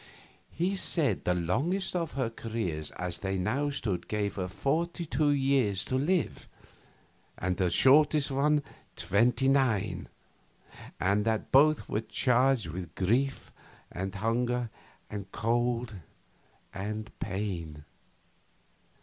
He said the longest of her careers as they now stood gave her forty two years to live, and her shortest one twenty nine, and that both were charged with grief and hunger and cold and pain.